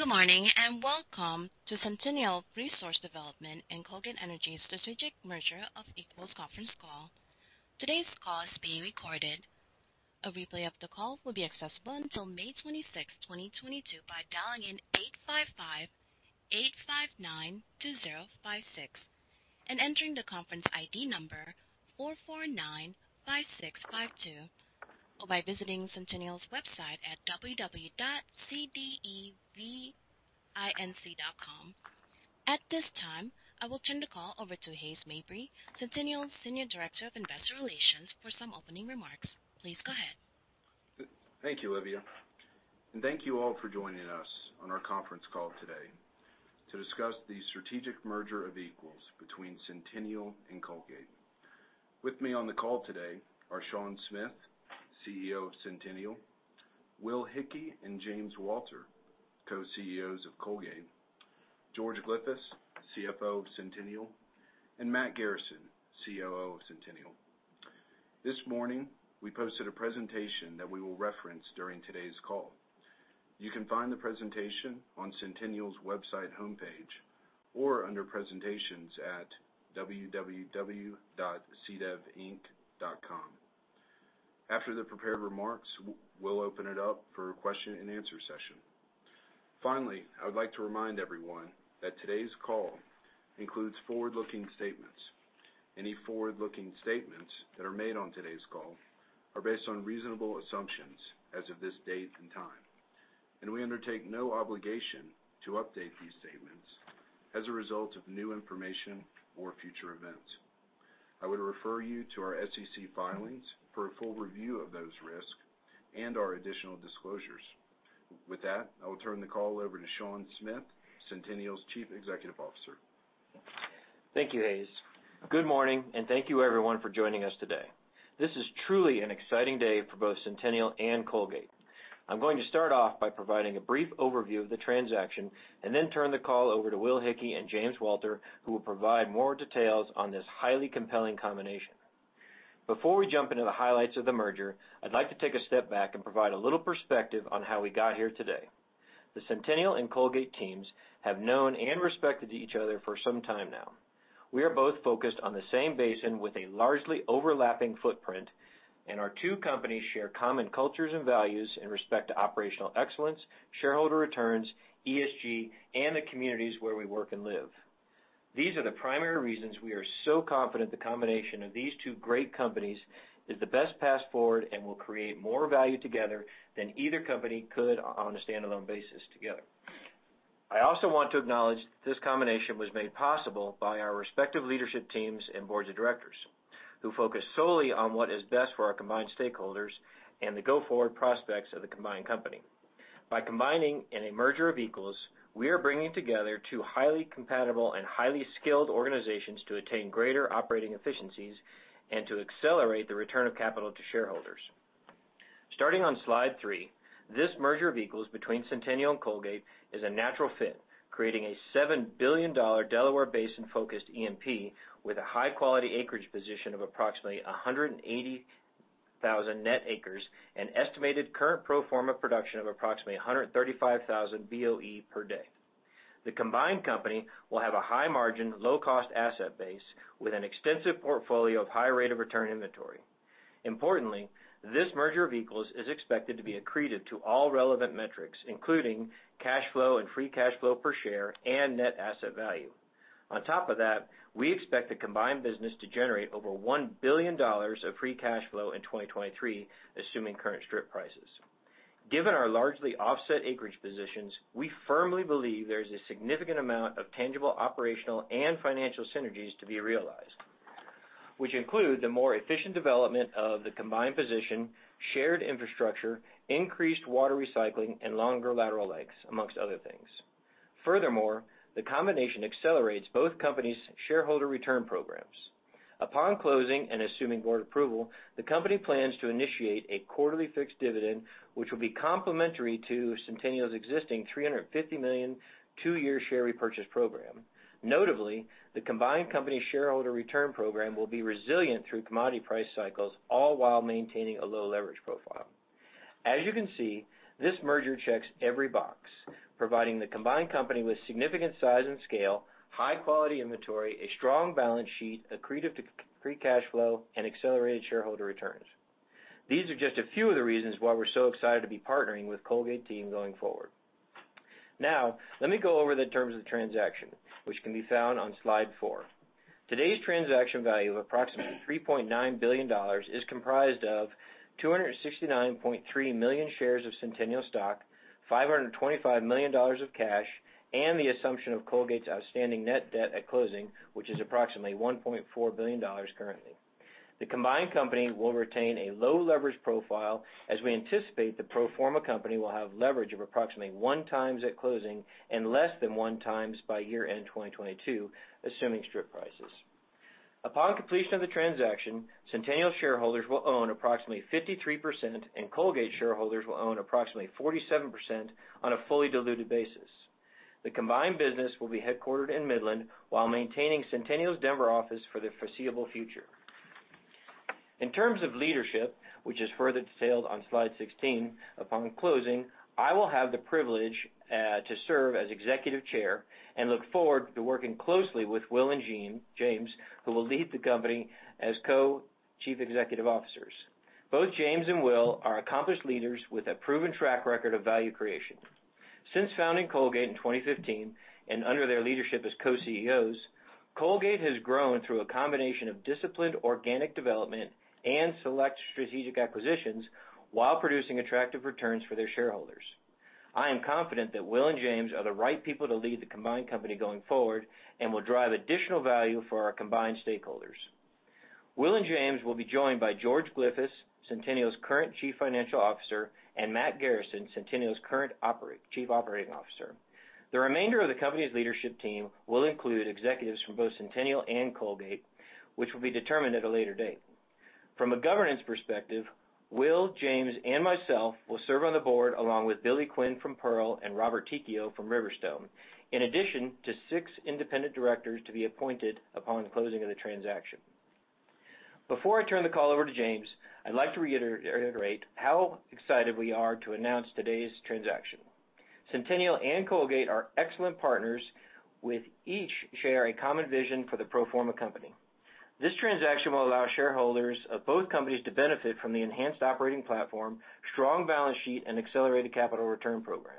Good morning, and welcome to Centennial Resource Development and Colgate Energy Strategic Merger of Equals conference call. Today's call is being recorded. A replay of the call will be accessible until May 26, 2022 by dialing 855-859-2056 and entering the conference ID number 4495652, or by visiting Centennial's website at www.cdevinc.com. At this time, I will turn the call over to Hays Mabry, Centennial Senior Director of Investor Relations, for some opening remarks. Please go ahead. Thank you, Livia, and thank you all for joining us on our conference call today to discuss the strategic merger of equals between Centennial and Colgate. With me on the call today are Sean Smith, CEO of Centennial, Will Hickey and James Walter, Co-CEOs of Colgate, George Glyphis, CFO of Centennial, and Matt Garrison, COO of Centennial. This morning, we posted a presentation that we will reference during today's call. You can find the presentation on Centennial's website homepage or under presentations at www.cdevinc.com. After the prepared remarks, we'll open it up for question and answer session. Finally, I would like to remind everyone that today's call includes forward-looking statements. Any forward-looking statements that are made on today's call are based on reasonable assumptions as of this date and time, and we undertake no obligation to update these statements as a result of new information or future events. I would refer you to our SEC filings for a full review of those risks and our additional disclosures. With that, I will turn the call over to Sean Smith, Centennial's Chief Executive Officer. Thank you, Hays. Good morning, and thank you everyone for joining us today. This is truly an exciting day for both Centennial and Colgate. I'm going to start off by providing a brief overview of the transaction and then turn the call over to Will Hickey and James Walter, who will provide more details on this highly compelling combination. Before we jump into the highlights of the merger, I'd like to take a step back and provide a little perspective on how we got here today. The Centennial and Colgate teams have known and respected each other for some time now. We are both focused on the same basin with a largely overlapping footprint, and our two companies share common cultures and values in respect to operational excellence, shareholder returns, ESG, and the communities where we work and live. These are the primary reasons we are so confident the combination of these two great companies is the best path forward and will create more value together than either company could on a standalone basis. I also want to acknowledge this combination was made possible by our respective leadership teams and boards of directors who focus solely on what is best for our combined stakeholders and the go-forward prospects of the combined company. By combining in a merger of equals, we are bringing together two highly compatible and highly skilled organizations to attain greater operating efficiencies and to accelerate the return of capital to shareholders. Starting on slide three, this merger of equals between Centennial and Colgate is a natural fit, creating a $7 billion Delaware Basin-focused E&P with a high-quality acreage position of approximately 180,000 net acres, an estimated current pro forma production of approximately 135,000 BOE per day. The combined company will have a high-margin, low-cost asset base with an extensive portfolio of high rate of return inventory. Importantly, this merger of equals is expected to be accretive to all relevant metrics, including cash flow and free cash flow per share and net asset value. On top of that, we expect the combined business to generate over $1 billion of free cash flow in 2023, assuming current strip prices. Given our largely offset acreage positions, we firmly believe there is a significant amount of tangible operational and financial synergies to be realized, which include the more efficient development of the combined position, shared infrastructure, increased water recycling and longer lateral lengths, among other things. Furthermore, the combination accelerates both companies' shareholder return programs. Upon closing and assuming board approval, the company plans to initiate a quarterly fixed dividend, which will be complementary to Centennial's existing $350 million, two-year share repurchase program. Notably, the combined company shareholder return program will be resilient through commodity price cycles, all while maintaining a low leverage profile. As you can see, this merger checks every box, providing the combined company with significant size and scale, high-quality inventory, a strong balance sheet, accretive to free cash flow, and accelerated shareholder returns. These are just a few of the reasons why we're so excited to be partnering with Colgate team going forward. Now let me go over the terms of the transaction, which can be found on slide 4. Today's transaction value of approximately $3.9 billion is comprised of 269.3 million shares of Centennial stock, $525 million of cash, and the assumption of Colgate's outstanding net debt at closing, which is approximately $1.4 billion currently. The combined company will retain a low leverage profile as we anticipate the pro forma company will have leverage of approximately 1x at closing and less than 1x by year-end 2022, assuming strip prices. Upon completion of the transaction, Centennial shareholders will own approximately 53%, and Colgate shareholders will own approximately 47% on a fully diluted basis. The combined business will be headquartered in Midland while maintaining Centennial's Denver office for the foreseeable future. In terms of leadership, which is further detailed on slide 16, upon closing, I will have the privilege to serve as executive chair and look forward to working closely with Will and James, who will lead the company as co-chief executive officers. Both James and Will are accomplished leaders with a proven track record of value creation. Since founding Colgate in 2015, and under their leadership as co-CEOs, Colgate has grown through a combination of disciplined organic development and select strategic acquisitions while producing attractive returns for their shareholders. I am confident that Will and James are the right people to lead the combined company going forward and will drive additional value for our combined stakeholders. Will and James will be joined by George Glyphis, Centennial's current Chief Financial Officer, and Matt Garrison, Centennial's current Chief Operating Officer. The remainder of the company's leadership team will include executives from both Centennial and Colgate, which will be determined at a later date. From a governance perspective, Will, James, and myself will serve on the board, along with Billy Quinn from Pearl and Robert Tichio from Riverstone, in addition to six independent directors to be appointed upon the closing of the transaction. Before I turn the call over to James, I'd like to reiterate how excited we are to announce today's transaction. Centennial and Colgate are excellent partners who each share a common vision for the pro forma company. This transaction will allow shareholders of both companies to benefit from the enhanced operating platform, strong balance sheet, and accelerated capital return program.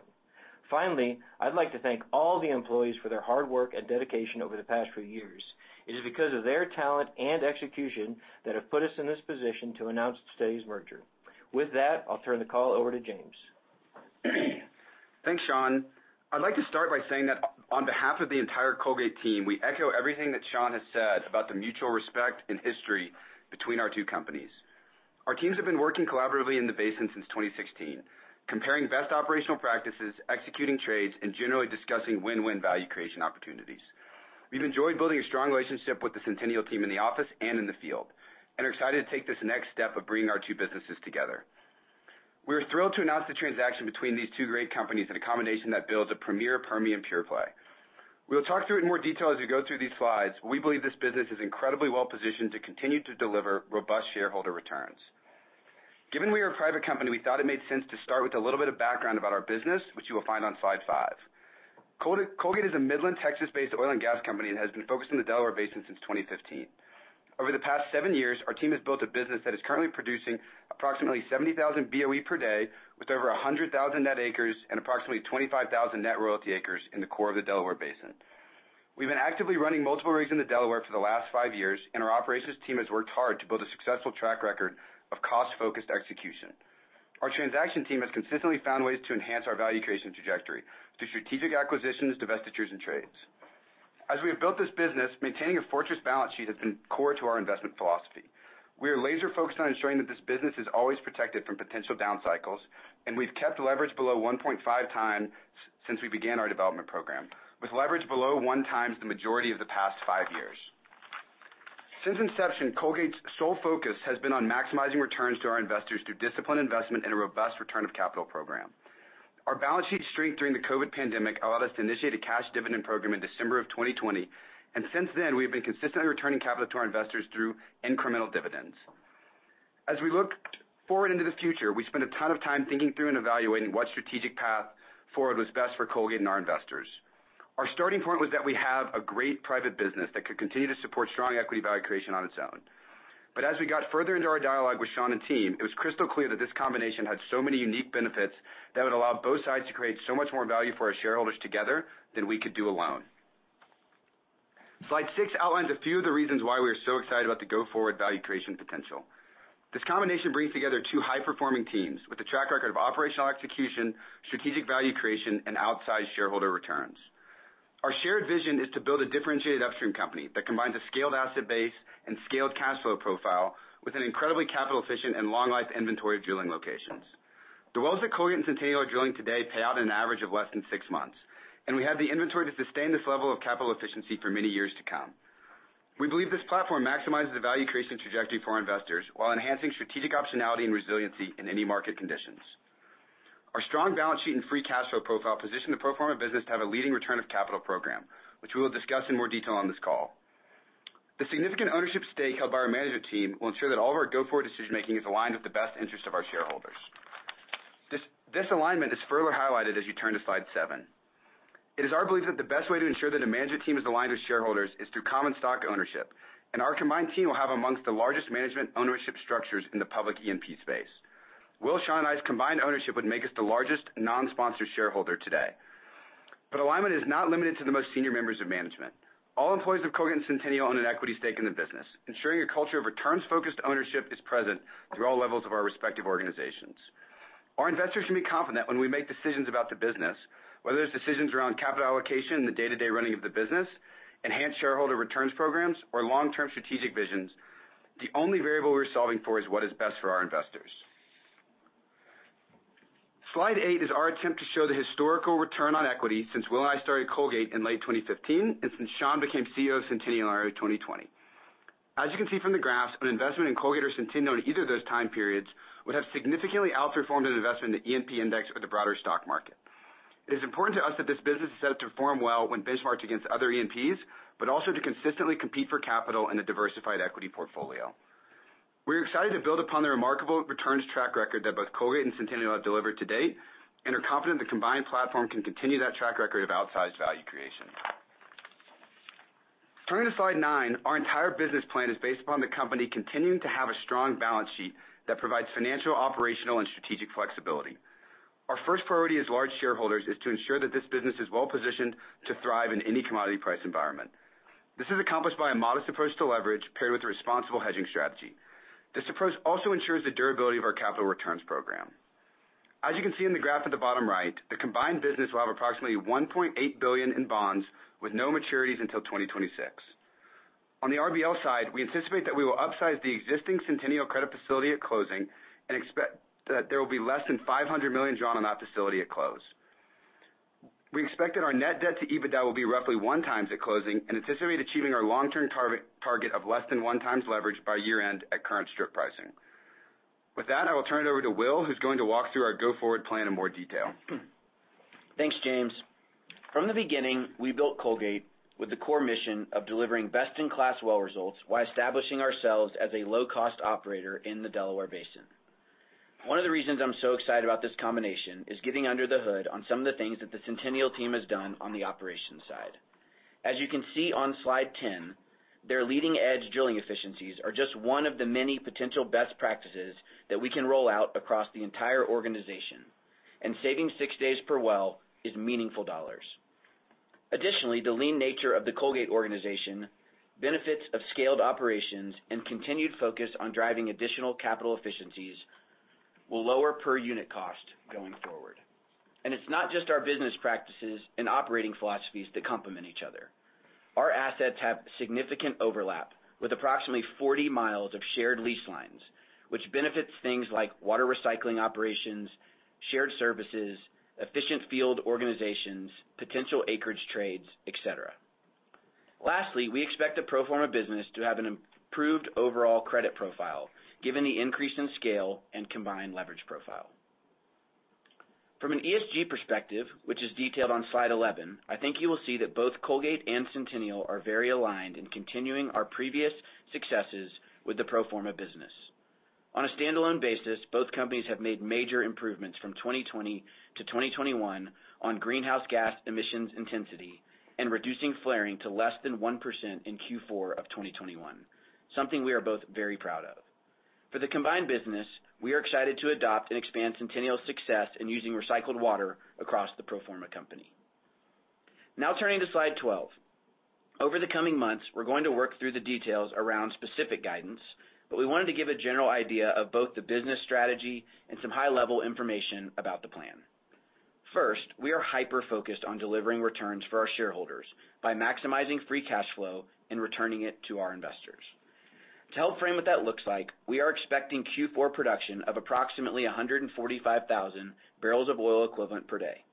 Finally, I'd like to thank all the employees for their hard work and dedication over the past few years. It is because of their talent and execution that have put us in this position to announce today's merger. With that, I'll turn the call over to James Walter. Thanks, Sean. I'd like to start by saying that on behalf of the entire Colgate team, we echo everything that Sean has said about the mutual respect and history between our two companies. Our teams have been working collaboratively in the basin since 2016, comparing best operational practices, executing trades, and generally discussing win-win value creation opportunities. We've enjoyed building a strong relationship with the Centennial team in the office and in the field and are excited to take this next step of bringing our two businesses together. We are thrilled to announce the transaction between these two great companies and a combination that builds a Premier Permian Pure-Play. We'll talk through it in more detail as we go through these slides, but we believe this business is incredibly well-positioned to continue to deliver robust shareholder returns. Given we are a private company, we thought it made sense to start with a little bit of background about our business, which you will find on slide 5. Colgate is a Midland, Texas-based oil and gas company and has been focused on the Delaware Basin since 2015. Over the past 7 years, our team has built a business that is currently producing approximately 70,000 BOE per day with over 100,000 net acres and approximately 25,000 net royalty acres in the core of the Delaware Basin. We've been actively running multiple rigs in the Delaware for the last 5 years, and our operations team has worked hard to build a successful track record of cost-focused execution. Our transaction team has consistently found ways to enhance our value creation trajectory through strategic acquisitions, divestitures, and trades. As we have built this business, maintaining a fortress balance sheet has been core to our investment philosophy. We are laser-focused on ensuring that this business is always protected from potential down cycles, and we've kept leverage below 1.5x since we began our development program, with leverage below 1x the majority of the past five years. Since inception, Colgate's sole focus has been on maximizing returns to our investors through disciplined investment and a robust return of capital program. Our balance sheet strength during the COVID pandemic allowed us to initiate a cash dividend program in December 2020, and since then, we have been consistently returning capital to our investors through incremental dividends. We looked forward into the future, we spent a ton of time thinking through and evaluating what strategic path forward was best for Colgate and our investors. Our starting point was that we have a great private business that could continue to support strong equity value creation on its own. As we got further into our dialogue with Sean and team, it was crystal clear that this combination had so many unique benefits that would allow both sides to create so much more value for our shareholders together than we could do alone. Slide 6 outlines a few of the reasons why we are so excited about the go-forward value creation potential. This combination brings together two high-performing teams with a track record of operational execution, strategic value creation, and outsized shareholder returns. Our shared vision is to build a differentiated upstream company that combines a scaled asset base and scaled cash flow profile with an incredibly capital-efficient and long-life inventory of drilling locations. The wells that Colgate and Centennial are drilling today pay out an average of less than six months, and we have the inventory to sustain this level of capital efficiency for many years to come. We believe this platform maximizes the value creation trajectory for our investors while enhancing strategic optionality and resiliency in any market conditions. Our strong balance sheet and free cash flow profile position the pro forma business to have a leading return of capital program, which we will discuss in more detail on this call. The significant ownership stake held by our management team will ensure that all of our go-forward decision-making is aligned with the best interest of our shareholders. This alignment is further highlighted as you turn to slide seven. It is our belief that the best way to ensure that a management team is aligned with shareholders is through common stock ownership, and our combined team will have amongst the largest management ownership structures in the public E&P space. Will, Sean, and I's combined ownership would make us the largest non-sponsor shareholder today. Alignment is not limited to the most senior members of management. All employees of Colgate and Centennial own an equity stake in the business, ensuring a culture of returns-focused ownership is present through all levels of our respective organizations. Our investors can be confident when we make decisions about the business, whether it's decisions around capital allocation and the day-to-day running of the business, enhanced shareholder returns programs, or long-term strategic visions, the only variable we're solving for is what is best for our investors. Slide 8 is our attempt to show the historical return on equity since Will and I started Colgate in late 2015 and since Sean became CEO of Centennial in early 2020. As you can see from the graphs, an investment in Colgate or Centennial in either of those time periods would have significantly outperformed an investment in the E&P index or the broader stock market. It is important to us that this business is set up to perform well when benchmarked against other E&Ps, but also to consistently compete for capital in a diversified equity portfolio. We're excited to build upon the remarkable returns track record that both Colgate and Centennial have delivered to date, and are confident the combined platform can continue that track record of outsized value creation. Turning to slide nine, our entire business plan is based upon the company continuing to have a strong balance sheet that provides financial, operational, and strategic flexibility. Our first priority as large shareholders is to ensure that this business is well-positioned to thrive in any commodity price environment. This is accomplished by a modest approach to leverage paired with a responsible hedging strategy. This approach also ensures the durability of our capital returns program. As you can see in the graph at the bottom right, the combined business will have approximately $1.8 billion in bonds with no maturities until 2026. On the RBL side, we anticipate that we will upsize the existing Centennial credit facility at closing and expect that there will be less than $500 million drawn on that facility at close. We expect that our net debt to EBITDA will be roughly 1x at closing, and anticipate achieving our long-term target of less than 1x leverage by year-end at current strip pricing. With that, I will turn it over to Will, who's going to walk through our go-forward plan in more detail. Thanks, James. From the beginning, we built Colgate with the core mission of delivering best-in-class well results while establishing ourselves as a low-cost operator in the Delaware Basin. One of the reasons I'm so excited about this combination is getting under the hood on some of the things that the Centennial team has done on the operations side. As you can see on Slide 10, their leading-edge drilling efficiencies are just one of the many potential best practices that we can roll out across the entire organization, and saving 6 days per well is meaningful dollars. Additionally, the lean nature of the Colgate organization, benefits of scaled operations, and continued focus on driving additional capital efficiencies will lower per-unit cost going forward. It's not just our business practices and operating philosophies that complement each other. Our assets have significant overlap with approximately 40 miles of shared lease lines, which benefits things like water recycling operations, shared services, efficient field organizations, potential acreage trades, et cetera. Lastly, we expect the pro forma business to have an improved overall credit profile given the increase in scale and combined leverage profile. From an ESG perspective, which is detailed on Slide 11, I think you will see that both Colgate and Centennial are very aligned in continuing our previous successes with the pro forma business. On a standalone basis, both companies have made major improvements from 2020 to 2021 on greenhouse gas emissions intensity and reducing flaring to less than 1% in Q4 of 2021, something we are both very proud of. For the combined business, we are excited to adopt and expand Centennial's success in using recycled water across the pro forma company. Now turning to Slide 12. Over the coming months, we're going to work through the details around specific guidance, but we wanted to give a general idea of both the business strategy and some high-level information about the plan. First, we are hyper-focused on delivering returns for our shareholders by maximizing free cash flow and returning it to our investors. To help frame what that looks like, we are expecting Q4 production of approximately 145,000 barrels of oil equivalent per day.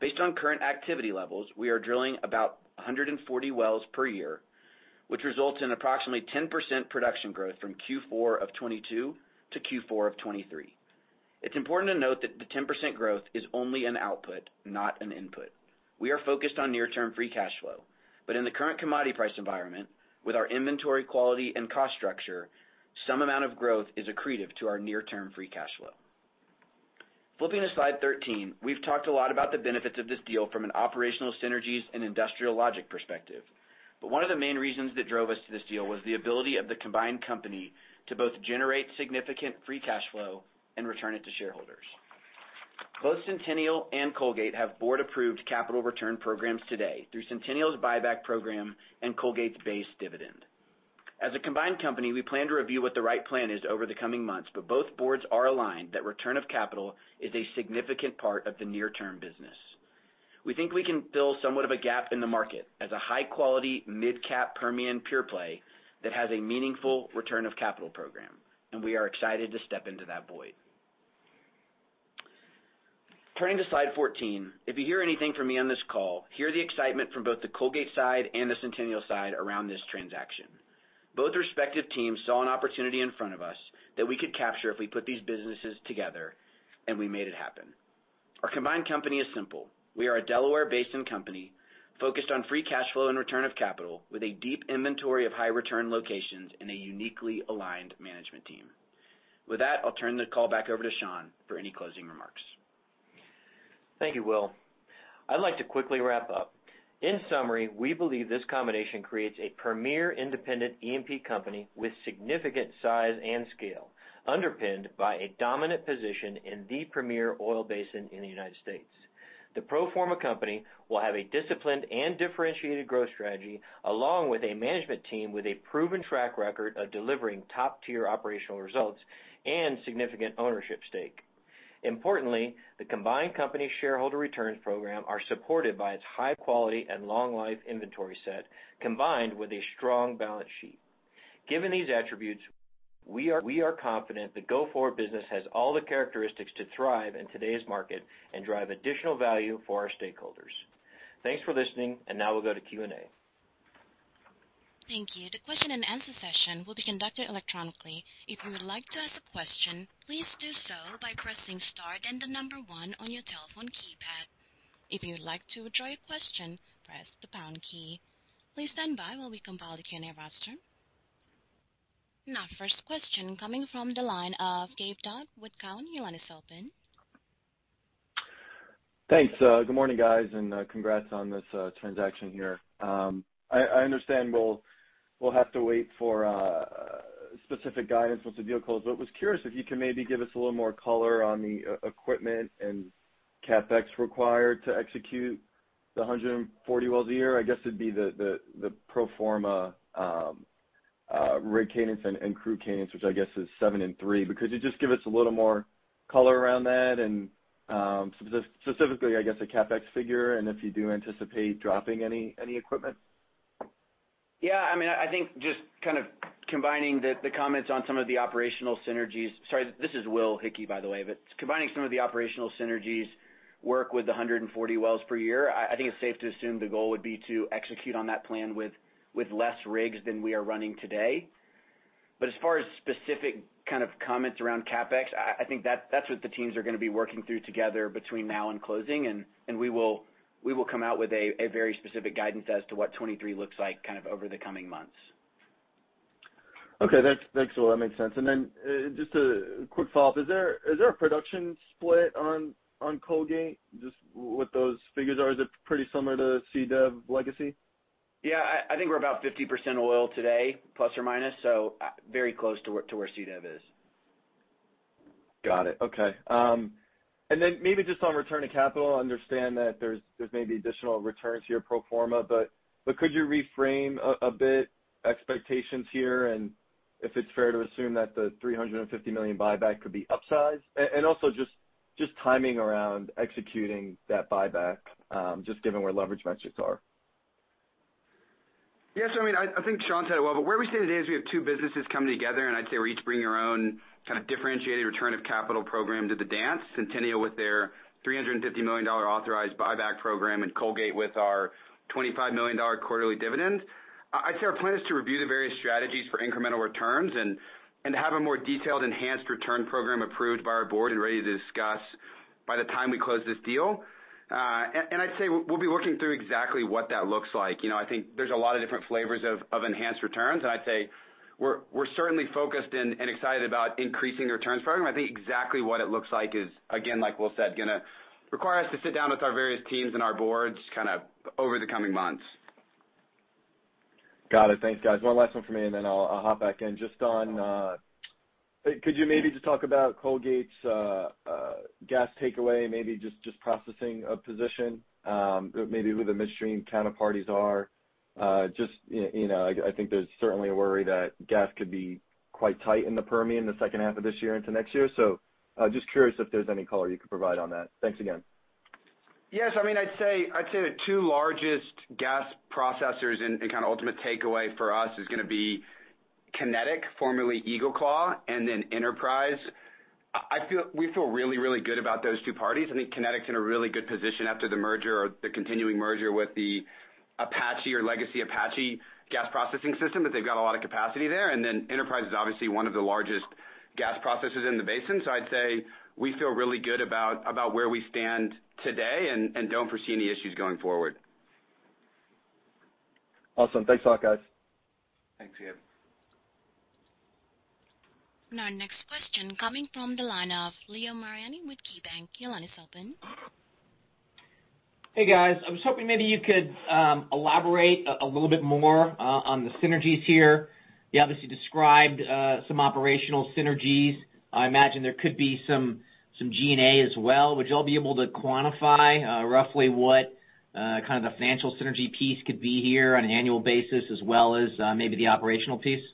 Based on current activity levels, we are drilling about 140 wells per year, which results in approximately 10% production growth from Q4 of 2022 to Q4 of 2023. It's important to note that the 10% growth is only an output, not an input. We are focused on near-term free cash flow, but in the current commodity price environment, with our inventory quality and cost structure, some amount of growth is accretive to our near-term free cash flow. Flipping to Slide 13, we've talked a lot about the benefits of this deal from an operational synergies and industrial logic perspective, but one of the main reasons that drove us to this deal was the ability of the combined company to both generate significant free cash flow and return it to shareholders. Both Centennial and Colgate have board-approved capital return programs today through Centennial's buyback program and Colgate's base dividend. As a combined company, we plan to review what the right plan is over the coming months, but both boards are aligned that return of capital is a significant part of the near-term business. We think we can fill somewhat of a gap in the market as a high-quality, mid-cap Permian pure-play that has a meaningful return of capital program, and we are excited to step into that void. Turning to Slide 14, if you hear anything from me on this call, hear the excitement from both the Colgate side and the Centennial side around this transaction. Both respective teams saw an opportunity in front of us that we could capture if we put these businesses together, and we made it happen. Our combined company is simple. We are a Delaware Basin company focused on free cash flow and return of capital with a deep inventory of high return locations and a uniquely aligned management team. With that, I'll turn the call back over to Sean for any closing remarks. Thank you, Will. I'd like to quickly wrap up. In summary, we believe this combination creates a premier independent E&P company with significant size and scale, underpinned by a dominant position in the premier oil basin in the United States. The pro forma company will have a disciplined and differentiated growth strategy, along with a management team with a proven track record of delivering top-tier operational results and significant ownership stake. Importantly, the combined company shareholder returns program are supported by its high quality and long-life inventory set, combined with a strong balance sheet. Given these attributes, we are confident the go-forward business has all the characteristics to thrive in today's market and drive additional value for our stakeholders. Thanks for listening, and now we'll go to Q&A. Thank you. The question-and-answer session will be conducted electronically. If you would like to ask a question, please do so by pressing star then the number one on your telephone keypad. If you would like to withdraw your question, press the pound key. Please stand by while we compile the Q&A roster. Now, first question coming from the line of Gabe Daoud with Cowen. Your line is open. Thanks. Good morning, guys, and congrats on this transaction here. I understand we'll have to wait for specific guidance with the vehicles, but was curious if you could maybe give us a little more color on the equipment and CapEx required to execute the 140 wells a year. I guess it'd be the pro forma rig cadence and crew cadence, which I guess is 7 and 3. Could you just give us a little more color around that and specifically, I guess, a CapEx figure, and if you do anticipate dropping any equipment? Yeah, I mean, I think just kind of combining the comments on some of the operational synergies. Sorry, this is Will Hickey, by the way. Combining some of the operational synergies work with the 140 wells per year, I think it's safe to assume the goal would be to execute on that plan with less rigs than we are running today. As far as specific kind of comments around CapEx, I think that's what the teams are gonna be working through together between now and closing, and we will come out with a very specific guidance as to what 2023 looks like kind of over the coming months. Okay. Thanks. Thanks, Will. That makes sense. Then, just a quick follow-up. Is there a production split on Colgate, just what those figures are? Is it pretty similar to CDEV legacy? Yeah. I think we're about 50% oil today, plus or minus, so very close to where CDEV is. Got it. Okay. Maybe just on return to capital, I understand that there's maybe additional returns here, pro forma, but could you reframe a bit expectations here and if it's fair to assume that the $350 million buyback could be upsized? Also just timing around executing that buyback, just given where leverage metrics are. Yeah. I mean, I think Sean said it well, but where we stand today is we have two businesses coming together, and I'd say we each bring our own kind of differentiated return of capital program to the dance. Centennial with their $350 million authorized buyback program, and Colgate with our $25 million quarterly dividend. I'd say our plan is to review the various strategies for incremental returns and to have a more detailed enhanced return program approved by our board and ready to discuss by the time we close this deal. I'd say we'll be working through exactly what that looks like. You know, I think there's a lot of different flavors of enhanced returns, and I'd say we're certainly focused and excited about increasing the returns program. I think exactly what it looks like is, again, like Will said, gonna require us to sit down with our various teams and our boards kind of over the coming months. Got it. Thanks, guys. One last one for me, and then I'll hop back in. Just on, could you maybe just talk about Colgate's gas takeaway, maybe just processing of position, maybe who the midstream counterparties are? Just, you know, I think there's certainly a worry that gas could be quite tight in the Permian the second half of this year into next year. Just curious if there's any color you could provide on that. Thanks again. Yes. I mean, I'd say the two largest gas processors and kind of ultimate takeaway for us is gonna be Kinetik, formerly EagleClaw, and then Enterprise. We feel really, really good about those two parties. I think Kinetik's in a really good position after the merger or the continuing merger with the Apache or legacy Apache gas processing system, but they've got a lot of capacity there. Enterprise is obviously one of the largest gas processors in the basin. I'd say we feel really good about where we stand today and don't foresee any issues going forward. Awesome. Thanks a lot, guys. Thanks, Gabe. Now, next question coming from the line of Leo Mariani with KeyBanc. Your line is open. Hey, guys. I was hoping maybe you could elaborate a little bit more on the synergies here. You obviously described some operational synergies. I imagine there could be some G&A as well. Would y'all be able to quantify roughly what kind of the financial synergy piece could be here on an annual basis as well as maybe the operational piece?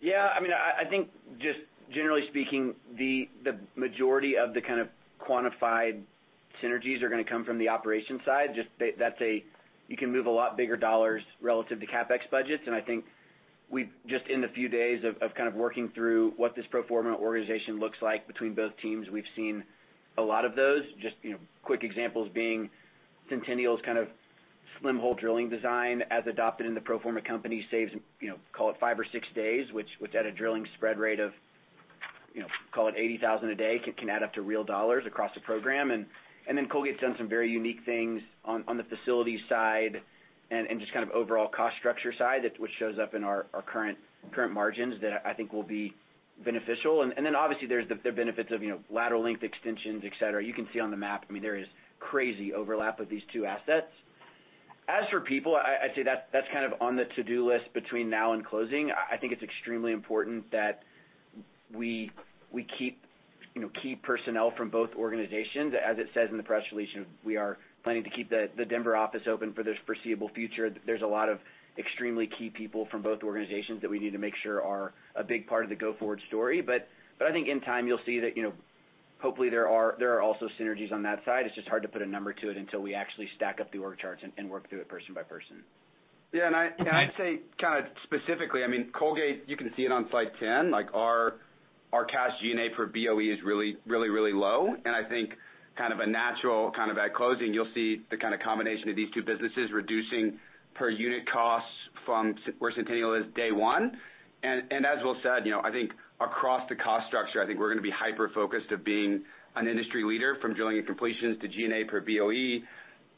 Yeah. I mean, I think just generally speaking, the majority of the kind of quantified synergies are gonna come from the operations side. Just that. You can move a lot bigger dollars relative to CapEx budgets, and I think we've just in the few days of kind of working through what this pro forma organization looks like between both teams, we've seen a lot of those. Just, you know, quick examples being Centennial's kind of slim hole drilling design as adopted in the pro forma company saves, you know, call it five or six days, which at a drilling spread rate of, you know, call it $80,000 a day can add up to real dollars across the program. Then Colgate's done some very unique things on the facilities side and just kind of overall cost structure side that which shows up in our current margins that I think will be beneficial. Then obviously, there's the benefits of, you know, lateral length extensions, et cetera. You can see on the map, I mean, there is crazy overlap of these two assets. As for people, I'd say that's kind of on the to-do list between now and closing. I think it's extremely important that we keep, you know, key personnel from both organizations. As it says in the press release, we are planning to keep the Denver office open for the foreseeable future. There's a lot of extremely key people from both organizations that we need to make sure are a big part of the go-forward story. I think in time you'll see that, you know, hopefully there are also synergies on that side. It's just hard to put a number to it until we actually stack up the org charts and work through it person by person. Yeah. I'd say kind of specifically, I mean, Colgate, you can see it on slide 10, like our cash G&A per BOE is really low. I think kind of a natural kind of at closing, you'll see the kind of combination of these two businesses reducing per unit costs from where Centennial is day one. As Will said, you know, I think across the cost structure, I think we're gonna be hyper-focused on being an industry leader from drilling and completions to G&A per BOE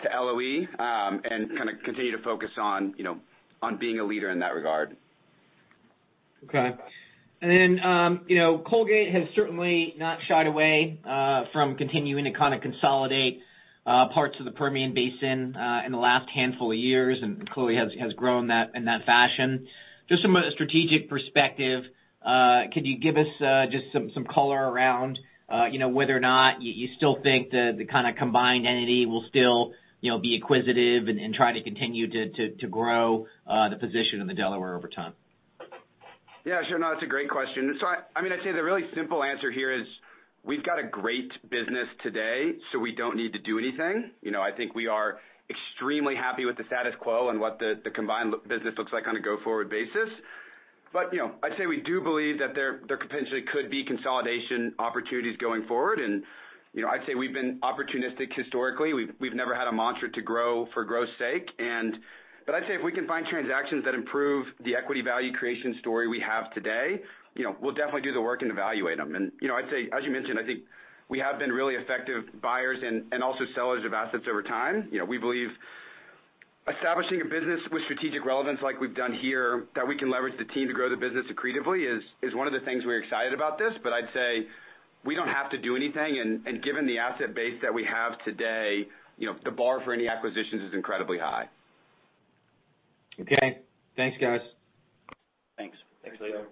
to LOE, and kinda continue to focus on, you know, on being a leader in that regard. Okay. You know, Colgate has certainly not shied away from continuing to kind of consolidate parts of the Permian Basin in the last handful of years, and clearly has grown that in that fashion. Just from a strategic perspective, could you give us just some color around you know, whether or not you still think the kinda combined entity will still you know, be acquisitive and try to continue to grow the position in the Delaware over time? Yeah, sure. No, it's a great question. I mean, I'd say the really simple answer here is we've got a great business today, so we don't need to do anything. You know, I think we are extremely happy with the status quo and what the combined business looks like on a go-forward basis. You know, I'd say we do believe that there potentially could be consolidation opportunities going forward. You know, I'd say we've been opportunistic historically. We've never had a mantra to grow for growth's sake. But I'd say if we can find transactions that improve the equity value creation story we have today, you know, we'll definitely do the work and evaluate them. You know, I'd say, as you mentioned, I think we have been really effective buyers and also sellers of assets over time. You know, we believe establishing a business with strategic relevance like we've done here, that we can leverage the team to grow the business accretively is one of the things we're excited about this. I'd say we don't have to do anything, and given the asset base that we have today, you know, the bar for any acquisitions is incredibly high. Okay. Thanks, guys. Thanks. Thanks, Leo.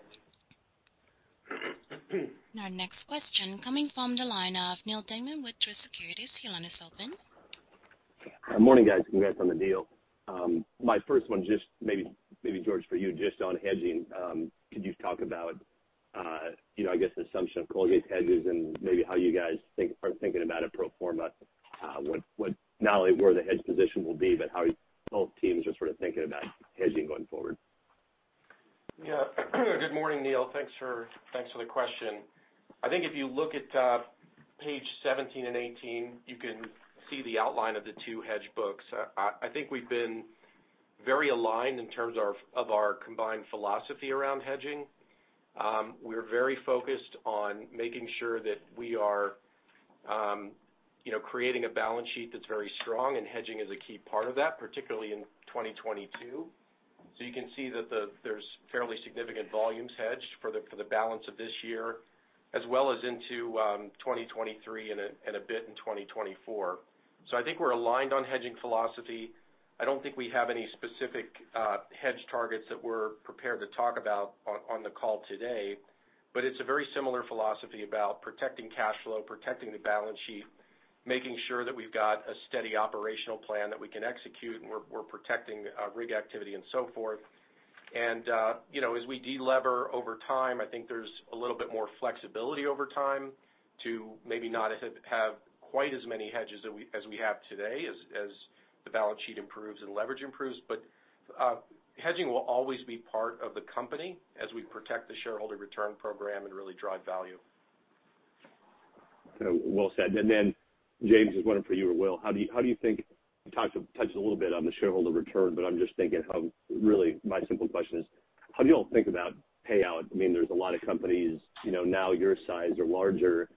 Our next question coming from the line of Neal Dingmann with Truist Securities. Your line is open. Good morning, guys. Congrats on the deal. My first one, just maybe George, for you, just on hedging. Could you talk about, you know, I guess, the assumption of Colgate's hedges and maybe how you guys are thinking about a pro forma? What, not only where the hedge position will be, but how both teams are sort of thinking about hedging going forward. Yeah. Good morning, Neal. Thanks for the question. I think if you look at page 17 and 18, you can see the outline of the two hedge books. I think we've been very aligned in terms of our combined philosophy around hedging. We're very focused on making sure that we are, you know, creating a balance sheet that's very strong, and hedging is a key part of that, particularly in 2022. You can see that there's fairly significant volumes hedged for the balance of this year, as well as into 2023 and a bit in 2024. I think we're aligned on hedging philosophy. I don't think we have any specific hedge targets that we're prepared to talk about on the call today, but it's a very similar philosophy about protecting cash flow, protecting the balance sheet, making sure that we've got a steady operational plan that we can execute, and we're protecting rig activity and so forth. You know, as we de-lever over time, I think there's a little bit more flexibility over time to maybe not have quite as many hedges as we have today as the balance sheet improves and leverage improves. Hedging will always be part of the company as we protect the shareholder return program and really drive value. Well said. Then, James, this is one for you or Will. How do you think you touched a little bit on the shareholder return, but I'm just thinking of really my simple question is, how do y'all think about payout? I mean, there's a lot of companies, you know, now your size or larger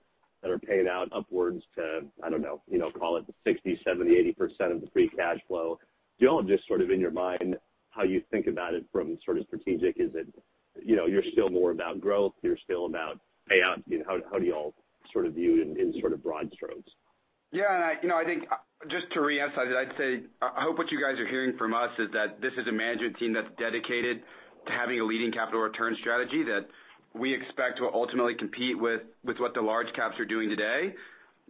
that are paying out upwards to, I don't know, you know, call it 60%, 70%, 80% of the free cash flow. Do y'all just sort of in your mind, how you think about it from sort of strategic, is it, you know, you're still more about growth, you're still about payout? You know, how do y'all sort of view it in sort of broad strokes? Yeah. I, you know, I think just to reemphasize it, I'd say I hope what you guys are hearing from us is that this is a management team that's dedicated to having a leading capital return strategy that we expect to ultimately compete with what the large caps are doing today.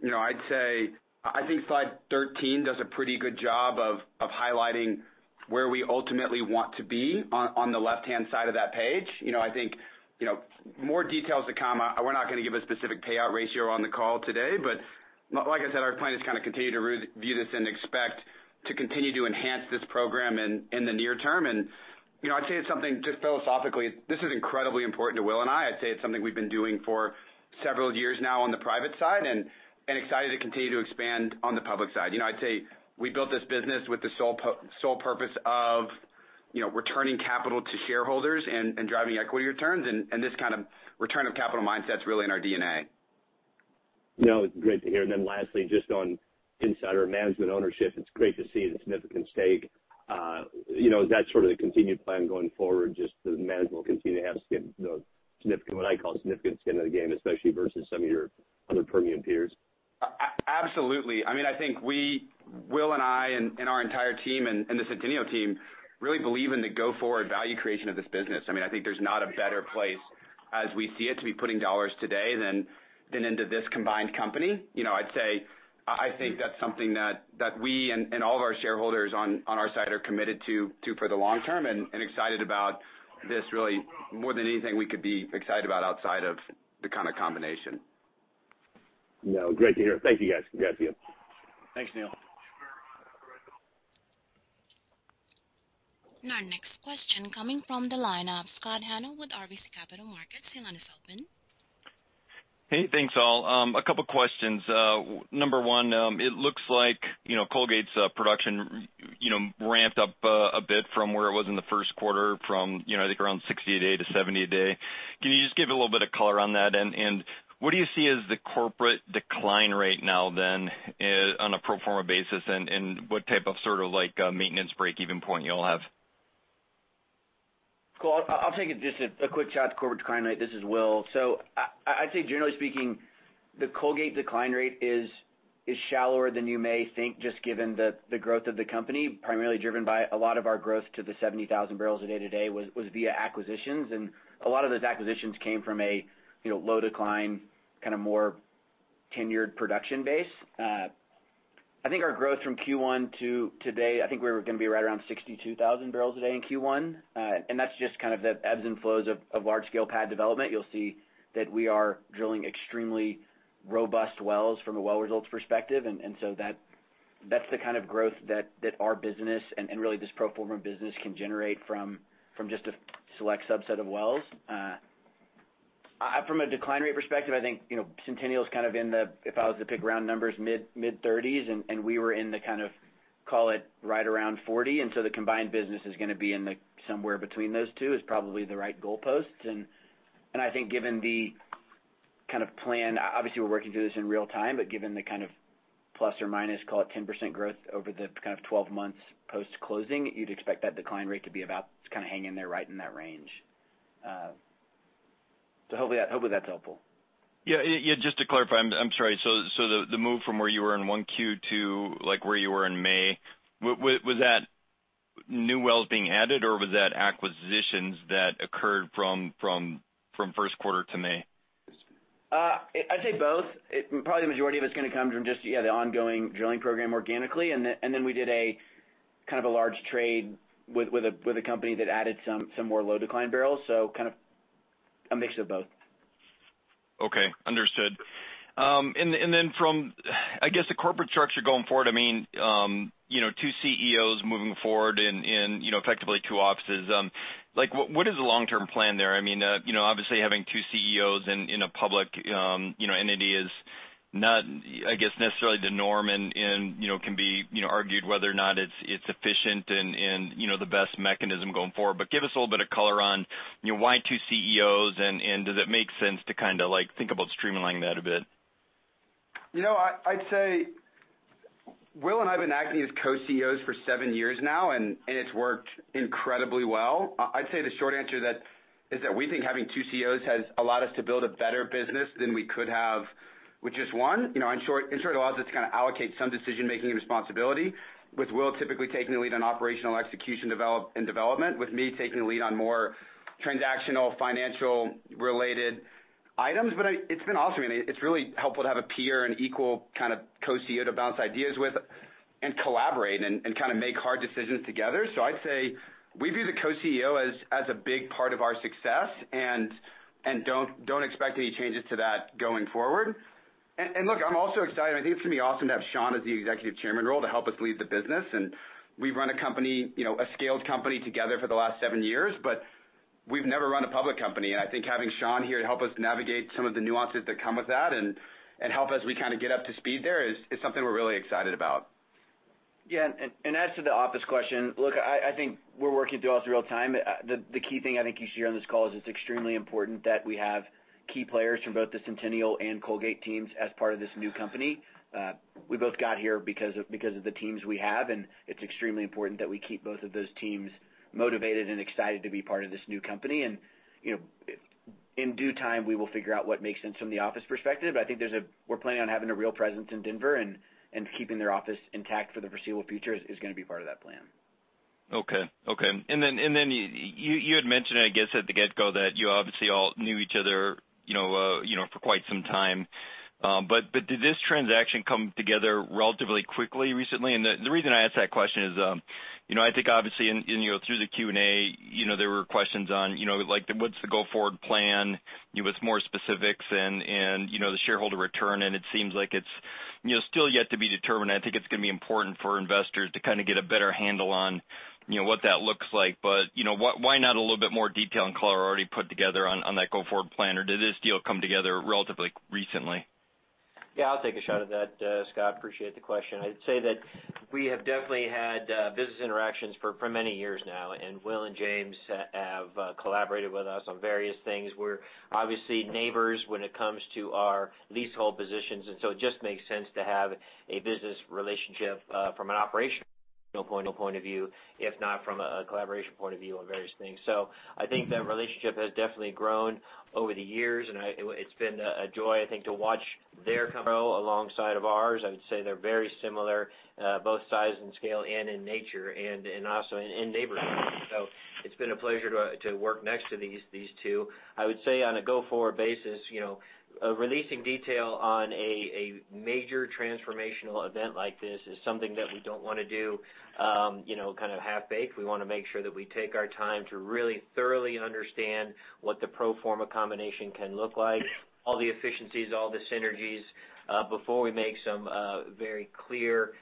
You know, I'd say I think slide 13 does a pretty good job of highlighting where we ultimately want to be on the left-hand side of that page. You know, I think, you know, more details to come. We're not gonna give a specific payout ratio on the call today. But like I said, our plan is kinda continue to review this and expect to continue to enhance this program in the near term. And, you know, I'd say it's something just philosophically, this is incredibly important to Will and I. I'd say it's something we've been doing for several years now on the private side and excited to continue to expand on the public side. You know, I'd say we built this business with the sole purpose of, you know, returning capital to shareholders and driving equity returns. This kind of return of capital mindset is really in our DNA. You know, it's great to hear. Lastly, just on insider management ownership, it's great to see the significant stake. You know, is that sort of the continued plan going forward, just the management will continue to have skin, you know, significant, what I call significant skin in the game, especially versus some of your other Permian peers? Absolutely. I mean, I think we, Will and I and our entire team and the Centennial team really believe in the go-forward value creation of this business. I mean, I think there's not a better place as we see it, to be putting dollars today than into this combined company. You know, I'd say I think that's something that we and all of our shareholders on our side are committed to for the long term and excited about this really more than anything we could be excited about outside of the kind of combination. No, great to hear. Thank you, guys. Congrats to you. Thanks, Neal. Our next question coming from the line of Scott Hanold with RBC Capital Markets. Your line is open. Hey, thanks all. A couple questions. Number one, it looks like, you know, Colgate's production, you know, ramped up a bit from where it was in the first quarter, you know, I think around 60 a day to 70 a day. Can you just give a little bit of color on that? And what do you see as the corporate decline rate now then on a pro forma basis, and what type of sort of like maintenance break-even point you all have? Cool. I'll take it just a quick shot at the corporate decline rate. This is Will. I'd say generally speaking, the Colgate decline rate is shallower than you may think, just given the growth of the company, primarily driven by a lot of our growth to the 70,000 barrels a day today was via acquisitions. A lot of those acquisitions came from a you know, low decline, kind of more tenured production base. I think our growth from Q1 to today. I think we're gonna be right around 62,000 barrels a day in Q1. That's just kind of the ebbs and flows of large scale pad development. You'll see that we are drilling extremely robust wells from a well results perspective. That's the kind of growth that our business and really this pro forma business can generate from just a select subset of wells. From a decline rate perspective, I think, you know, Centennial is kind of in the, if I was to pick round numbers, mid-thirties, and we were in the kind of, call it right around 40. I think given the kind of plan, obviously, we're working through this in real time, but given the kind of plus or minus, call it 10% growth over the kind of 12 months post-closing, you'd expect that decline rate to be about kind of hanging there right in that range. Hopefully that's helpful. Yeah, just to clarify, I'm sorry. The move from where you were in 1Q to like, where you were in May, was that new wells being added, or was that acquisitions that occurred from first quarter to May? I'd say both. It's probably the majority of it's gonna come from just, yeah, the ongoing drilling program organically. We did a kind of a large trade with a company that added some more low decline barrels, so kind of a mix of both. Okay, understood. From, I guess, the corporate structure going forward, I mean, you know, two CEOs moving forward and, you know, effectively two offices, like what is the long-term plan there? I mean, you know, obviously having two CEOs in a public, you know, entity is not, I guess, necessarily the norm and, you know, can be, you know, argued whether or not it's efficient and, you know, the best mechanism going forward. Give us a little bit of color on, you know, why two CEOs and does it make sense to kind of like, think about streamlining that a bit? You know, I'd say Will and I have been acting as co-CEOs for seven years now, and it's worked incredibly well. I'd say the short answer to that is that we think having two CEOs has allowed us to build a better business than we could have with just one. You know, in short, it allows us to kind of allocate some decision-making and responsibility with Will typically taking the lead on operational execution and development, with me taking the lead on more transactional, financial-related items. It's been awesome. It's really helpful to have a peer and equal kind of co-CEO to bounce ideas with and collaborate and kind of make hard decisions together. I'd say we view the co-CEO as a big part of our success and don't expect any changes to that going forward. Look, I'm also excited. I think it's gonna be awesome to have Sean as the executive chairman role to help us lead the business. We've run a company, you know, a scaled company together for the last seven years, but we've never run a public company. I think having Sean here to help us navigate some of the nuances that come with that and help as we kind of get up to speed there is something we're really excited about. Yeah. As to the office question, look, I think we're working through all this real time. The key thing I think you should hear on this call is it's extremely important that we have key players from both the Centennial and Colgate teams as part of this new company. We both got here because of the teams we have, and it's extremely important that we keep both of those teams motivated and excited to be part of this new company. You know, in due time, we will figure out what makes sense from the office perspective. I think we're planning on having a real presence in Denver and keeping their office intact for the foreseeable future is gonna be part of that plan. Okay. You had mentioned, I guess, at the get-go that you obviously all knew each other, you know, you know, for quite some time. Did this transaction come together relatively quickly, recently? The reason I ask that question is, you know, I think obviously, you know, through the Q&A, you know, there were questions on, you know, like what's the go forward plan, give us more specifics and, you know, the shareholder return. It seems like it's, you know, still yet to be determined. I think it's gonna be important for investors to kind of get a better handle on, you know, what that looks like. Why not a little bit more detail and color already put together on that go-forward plan? Or did this deal come together relatively recently? Yeah, I'll take a shot at that, Scott. Appreciate the question. I'd say that we have definitely had business interactions for many years now, and Will and James have collaborated with us on various things. We're obviously neighbors when it comes to our leasehold positions, and so it just makes sense to have a business relationship from an operational point of view, if not from a collaboration point of view on various things. I think the relationship has definitely grown over the years and it's been a joy, I think, to watch their growth alongside of ours. I would say they're very similar both size and scale and in nature and also in neighborhood. It's been a pleasure to work next to these two. I would say on a go-forward basis, you know, releasing detail on a major transformational event like this is something that we don't wanna do, you know, kind of half-baked. We wanna make sure that we take our time to really thoroughly understand what the pro forma combination can look like, all the efficiencies, all the synergies, before we make some very clear.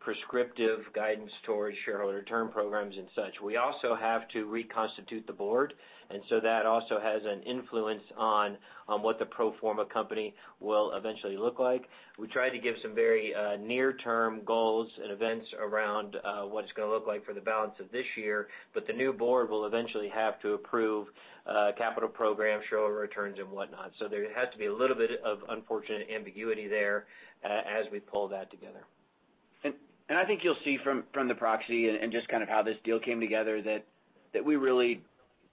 Prescriptive guidance towards shareholder return programs and such. We also have to reconstitute the board, and so that also has an influence on what the pro forma company will eventually look like. We try to give some very near-term goals and events around what it's gonna look like for the balance of this year, but the new board will eventually have to approve capital programs, shareholder returns and whatnot. There has to be a little bit of unfortunate ambiguity there as we pull that together. I think you'll see from the proxy and just kind of how this deal came together that we really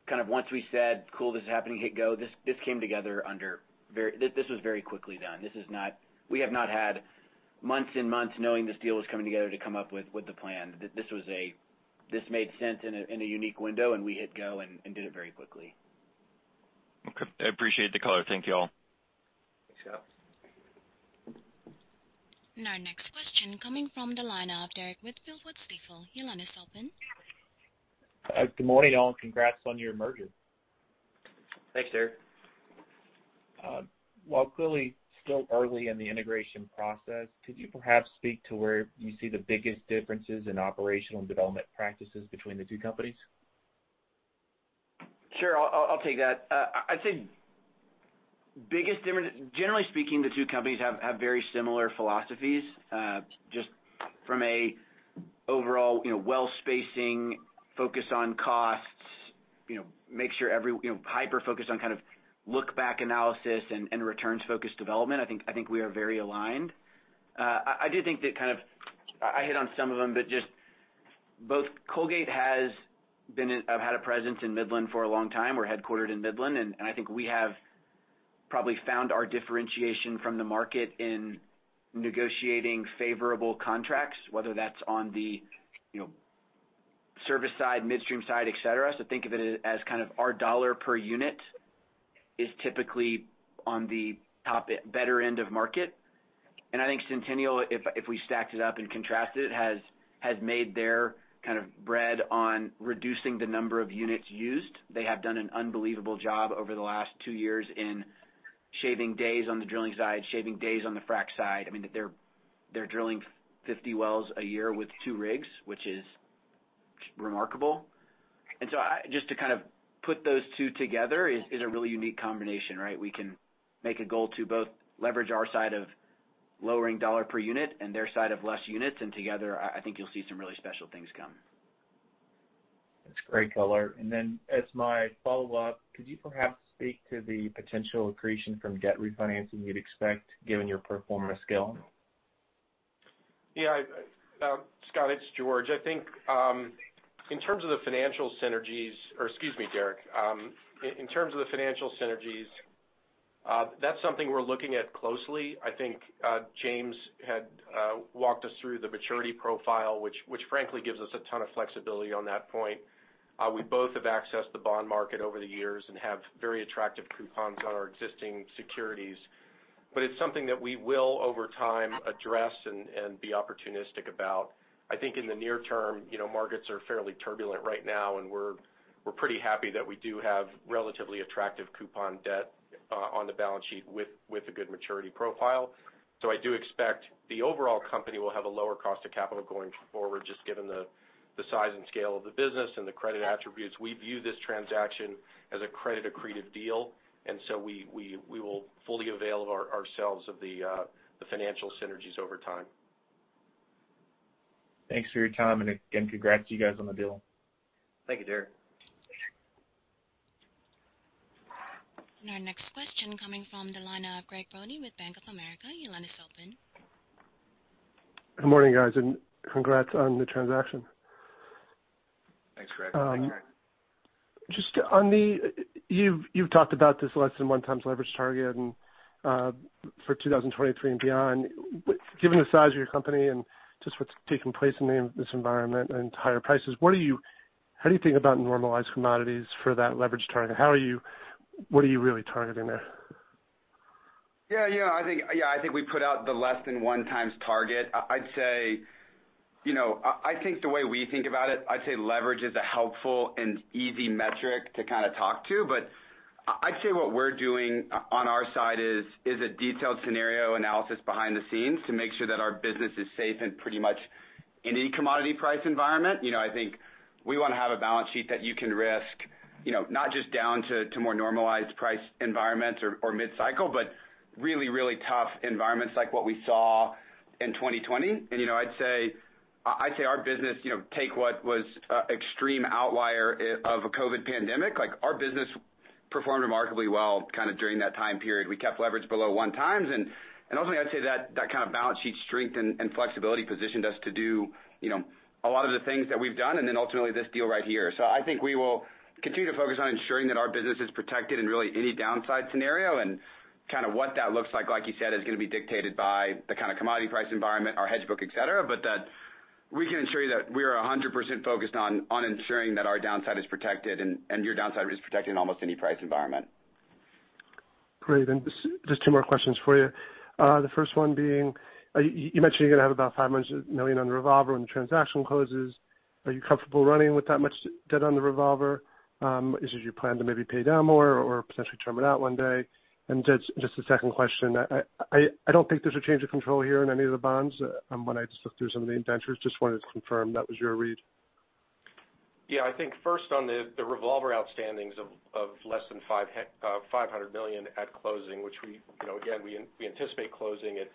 kind of once we said, "Cool, this is happening, hit go," this came together. This was very quickly done. We have not had months and months knowing this deal was coming together to come up with the plan. This made sense in a unique window, and we hit go and did it very quickly. Okay. I appreciate the color. Thank y'all. Thanks, Scott. Our next question coming from the line of Derrick with Stifel. Your line is open. Good morning, all, and congrats on your merger. Thanks, Derrick. While clearly still early in the integration process, could you perhaps speak to where you see the biggest differences in operational and development practices between the two companies? Sure. I'll take that. I'd say biggest difference, generally speaking, the two companies have very similar philosophies. Just from a overall, you know, well spacing, focus on costs, you know, make sure every, you know, hyper-focused on kind of look-back analysis and returns-focused development. I think we are very aligned. I do think that kind of I hit on some of them, but just both Colgate had a presence in Midland for a long time. We're headquartered in Midland, and I think we have probably found our differentiation from the market in negotiating favorable contracts, whether that's on the, you know, service side, midstream side, et cetera. So think of it as kind of our dollar per unit is typically on the top, better end of market. I think Centennial, if we stacked it up and contrasted it, has made their kind of bread on reducing the number of units used. They have done an unbelievable job over the last two years in shaving days on the drilling side, shaving days on the frack side. I mean, they're drilling 50 wells a year with two rigs, which is remarkable. I just to kind of put those two together is a really unique combination, right? We can make a goal to both leverage our side of lowering dollar per unit and their side of less units, and together, I think you'll see some really special things come. That's great color. As my follow-up, could you perhaps speak to the potential accretion from debt refinancing you'd expect given your pro forma scale? Yeah. Scott, it's George. I think in terms of the financial synergies or excuse me, Derrick. In terms of the financial synergies, that's something we're looking at closely. I think James had walked us through the maturity profile, which frankly gives us a ton of flexibility on that point. We both have accessed the bond market over the years and have very attractive coupons on our existing securities. It's something that we will over time address and be opportunistic about. I think in the near term, you know, markets are fairly turbulent right now, and we're pretty happy that we do have relatively attractive coupon debt on the balance sheet with a good maturity profile. I do expect the overall company will have a lower cost of capital going forward just given the size and scale of the business and the credit attributes. We view this transaction as a credit accretive deal. We will fully avail ourselves of the financial synergies over time. Thanks for your time, and again, congrats to you guys on the deal. Thank you, Derrick. Our next question coming from the line of Doug Leggate with Bank of America. Your line is open. Good morning, guys, and congrats on the transaction. Thanks, Greg. Just on the, you've talked about this less than 1x leverage target and for 2023 and beyond. Given the size of your company and just what's taking place in this environment and higher prices, how do you think about normalized commodities for that leverage target? What are you really targeting there? Yeah, you know, I think we put out the less than one times target. I'd say, you know, I think the way we think about it, I'd say leverage is a helpful and easy metric to kinda talk to, but I'd say what we're doing on our side is a detailed scenario analysis behind the scenes to make sure that our business is safe in pretty much any commodity price environment. You know, I think we wanna have a balance sheet that you can risk, you know, not just down to more normalized price environments or mid-cycle, but really, really tough environments like what we saw in 2020. You know, I'd say our business, you know, take what was extreme outlier of a COVID pandemic, like, our business performed remarkably well kinda during that time period. We kept leverage below 1 times. Ultimately, I'd say that kind of balance sheet strength and flexibility positioned us to do, you know, a lot of the things that we've done, and then ultimately this deal right here. I think we will continue to focus on ensuring that our business is protected in really any downside scenario and kinda what that looks like you said, is gonna be dictated by the kinda commodity price environment, our hedge book, et cetera. That we can ensure you that we're 100% focused on ensuring that our downside is protected and your downside is protected in almost any price environment. Great. Just two more questions for you. The first one being, you mentioned you're gonna have about $500 million on the revolver when the transaction closes. Are you comfortable running with that much debt on the revolver? Is it your plan to maybe pay down more or potentially term it out one day? Just a second question. I don't think there's a change of control here in any of the bonds, when I just looked through some of the indentures. Just wanted to confirm that was your read. Yeah, I think first on the revolver outstandings of less than $500 million at closing, which we, you know, again, anticipate closing it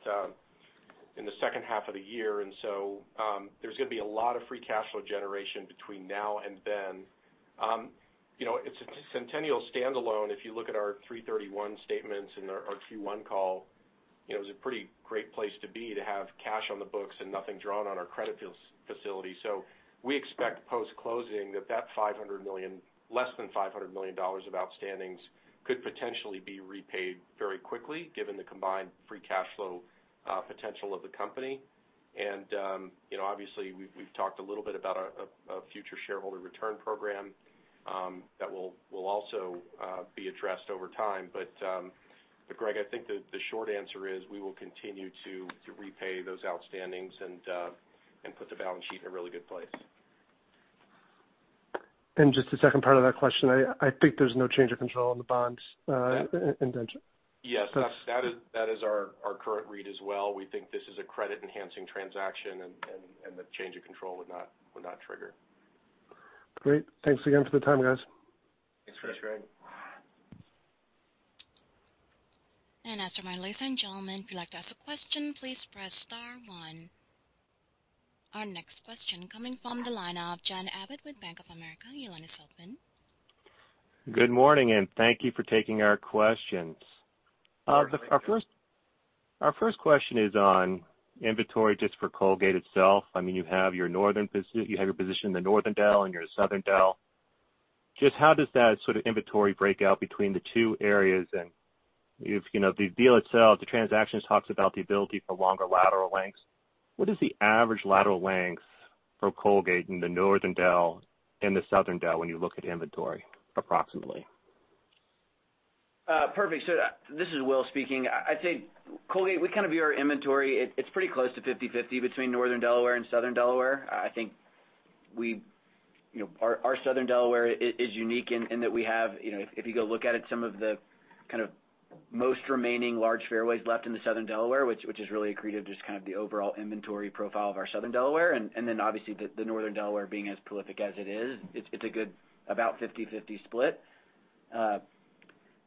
in the second half of the year. There's gonna be a lot of free cash flow generation between now and then. You know, it's Centennial standalone, if you look at our 331 statements and our Q1 call, you know, it was a pretty great place to be to have cash on the books and nothing drawn on our credit facility. We expect post-closing that $500 million, less than $500 million of outstandings could potentially be repaid very quickly given the combined free cash flow potential of the company. You know, obviously we've talked a little bit about a future shareholder return program that will also be addressed over time. Doug Leggate, I think the short answer is we will continue to repay those outstandings and put the balance sheet in a really good place. Just the second part of that question, I think there's no change of control on the bonds, indenture. Yes. That is our current read as well. We think this is a credit-enhancing transaction and the change of control would not trigger. Great. Thanks again for the time, guys. Thanks, Doug. Ladies and gentlemen, if you'd like to ask a question, please press star one. Our next question coming from the line of Doug Leggate with Bank of America. Your line is open. Good morning, and thank you for taking our questions. Our first question is on inventory just for Colgate itself. I mean, you have your position in the Northern Del and your Southern Del. Just how does that sort of inventory break out between the two areas? If, you know, the deal itself, the transaction talks about the ability for longer lateral lengths. What is the average lateral length for Colgate in the Northern Del and the Southern Del when you look at inventory approximately? Perfect. This is Will speaking. I'd say Colgate, we kind of view our inventory, it's pretty close to 50/50 between Northern Delaware and Southern Delaware. I think we. You know, our Southern Delaware is unique in that we have, you know, if you go look at it, some of the kind of most remaining large fairways left in the Southern Delaware, which has really accreted just kind of the overall inventory profile of our Southern Delaware. Then obviously the Northern Delaware being as prolific as it is, it's a good about 50/50 split.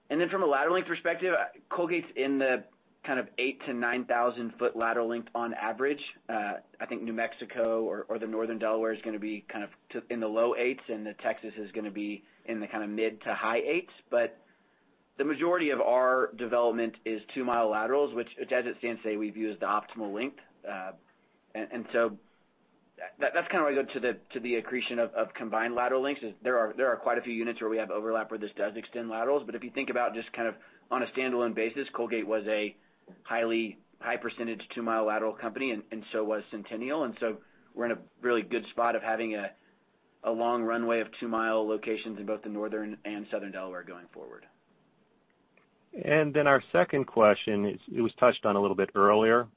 From a lateral length perspective, Colgate's in the kind of 8,000-9,000 foot lateral length on average. I think New Mexico or the Northern Delaware is gonna be kind of in the low eights, and the Texas is gonna be in the kinda mid to high eights. The majority of our development is two-mile laterals, which as it stands today we view as the optimal length. That that's kinda why go to the to the accretion of combined lateral lengths is there are quite a few units where we have overlap where this does extend laterals. If you think about just kind of on a standalone basis, Colgate was a high percentage two-mile lateral company and so was Centennial. We're in a really good spot of having a long runway of two-mile locations in both the Northern and Southern Delaware going forward. Our second question is, it was touched on a little bit earlier,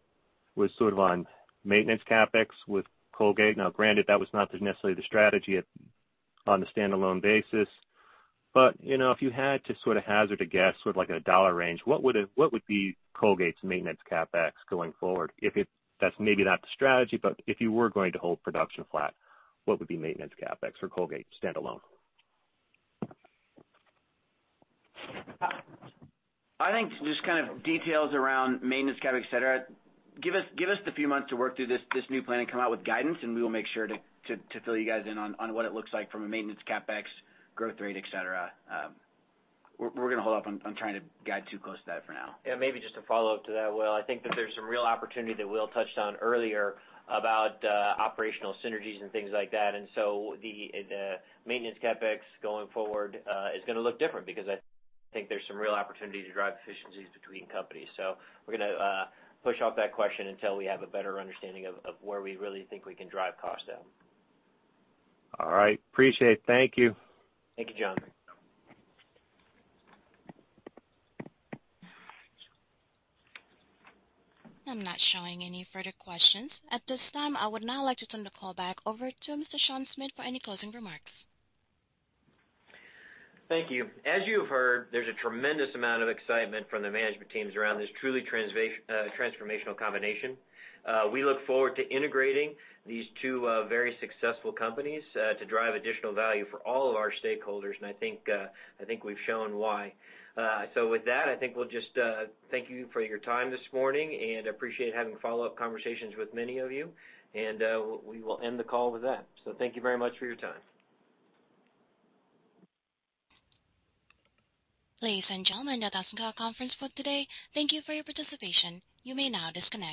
was sort of on maintenance CapEx with Colgate. Now granted, that was not necessarily the strategy at, on the standalone basis. You know, if you had to sort of hazard a guess with like a dollar range, what would be Colgate's maintenance CapEx going forward? That's maybe not the strategy, but if you were going to hold production flat, what would be maintenance CapEx for Colgate standalone? I think just kind of details around maintenance CapEx, et cetera, give us a few months to work through this new plan and come out with guidance, and we will make sure to fill you guys in on what it looks like from a maintenance CapEx growth rate, et cetera. We're gonna hold off on trying to guide too close to that for now. Yeah, maybe just to follow up to that, Will. I think that there's some real opportunity that Will touched on earlier about operational synergies and things like that. The maintenance CapEx going forward is gonna look different because I think there's some real opportunity to drive efficiencies between companies. We're gonna push off that question until we have a better understanding of where we really think we can drive cost down. All right. Appreciate it. Thank you. Thank you, John. I'm not showing any further questions. At this time, I would now like to turn the call back over to Mr. Sean Smith for any closing remarks. Thank you. As you've heard, there's a tremendous amount of excitement from the management teams around this truly transformational combination. We look forward to integrating these two very successful companies to drive additional value for all of our stakeholders, and I think we've shown why. With that, I think we'll just thank you for your time this morning and appreciate having follow-up conversations with many of you. We will end the call with that. Thank you very much for your time. Ladies and gentlemen, that ends our conference call today. Thank you for your participation. You may now disconnect.